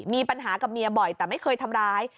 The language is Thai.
มีปัญหากับเมียบ่อยแต่ไม่เคยทำร้าย